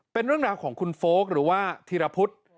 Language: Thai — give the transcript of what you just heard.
เป็นเรื่องราวของคุณโฟลกหรือว่าธีรพุทธ